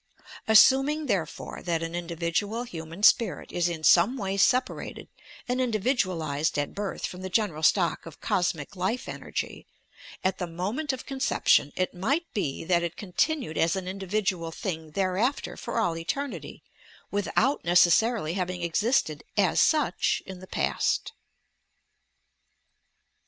Assuming, therefore, that an individual human spirit is in some way separated and individualized at birth from the general stock of cosmic life energy, at the mo ment of conception, it might be that it continued as an individual thing thereafter for' all eternity, without necessarily having existed as svch in the past.